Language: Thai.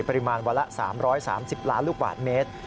ประมาณวันละ๓๓๐ล้านลูกบาทเมตร